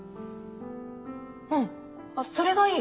うんそれがいい。